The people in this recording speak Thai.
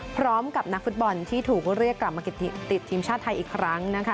พร้อมกับนักฟุตบอลที่ถูกเรียกกลับมาติดทีมชาติไทยอีกครั้งนะคะ